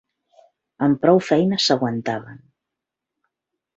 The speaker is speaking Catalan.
Amb prou feines s'aguantaven